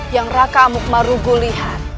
yang raka amuk marugul lihat